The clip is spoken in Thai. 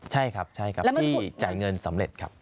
ใช่ครับใช่ครับที่จ่ายเงินสำเร็จครับ